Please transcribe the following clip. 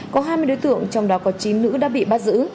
có hai mươi đối tượng trong đó có chín nữ đã bị bắt giữ